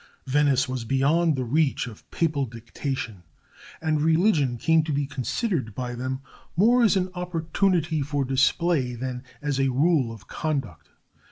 Venice was beyond the reach of papal dictation, and religion came to be considered by them more as an opportunity for display than as a rule of conduct.